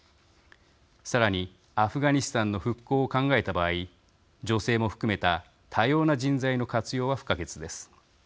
さらに、アフガニスタンの復興を考えた場合、女性も含めた多様な人材の活用は不可欠です。